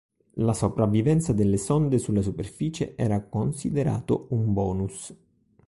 La sopravvivenza delle sonde sulla superficie era considerato un bonus.